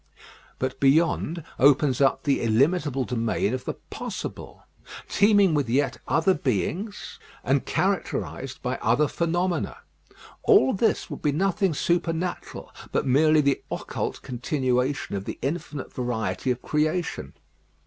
But beyond opens up the illimitable domain of the possible, teeming with yet other beings, and characterised by other phenomena. All this would be nothing supernatural, but merely the occult continuation of the infinite variety of creation.